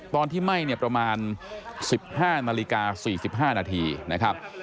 ตอนที่ไหม้ประมาณ๑๕นาฬิกา๔๕นาทีนะครับ